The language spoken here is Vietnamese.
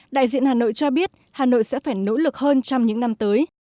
đại diện hà nội cho biết hà nội sẽ phải nỗ lực hơn trong những năm tới